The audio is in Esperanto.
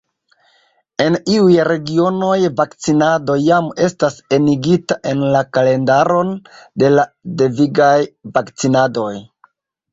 En iuj regionoj vakcinado jam estas enigita en la kalendaron de la devigaj vakcinadoj.